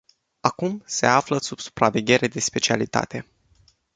Acum se află sub supraveghere de specialitate.